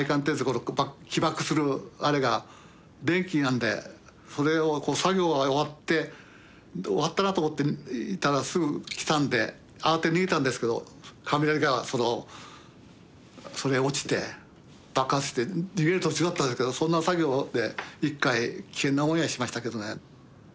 この起爆するあれが電気なんでそれをこう作業は終わって終わったなと思っていたらすぐ来たんで慌てて逃げたんですけど雷がそのそれへ落ちて爆発して逃げる途中だったんですけどそんな作業で１回危険な思いはしましたけどね。